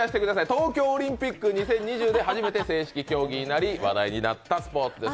東京オリンピック２０２０で初めて正式競技になり、話題になったスポーツです。